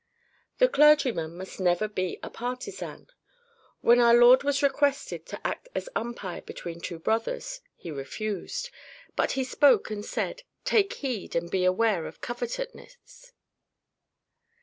The clergyman must never be a partisan. When our Lord was requested to act as umpire between two brothers, He refused. But He spoke and said, "Take heed, and beware of covetousness."